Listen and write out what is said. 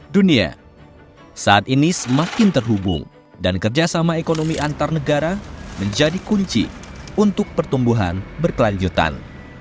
dunia saat ini semakin terhubung dan kerjasama ekonomi antar negara menjadi kunci untuk pertumbuhan berkelanjutan